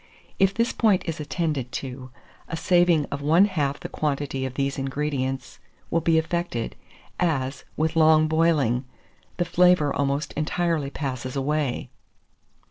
If this point is attended to, a saving of one half the quantity of these ingredients will be effected, as, with long boiling, the flavour almost entirely passes away.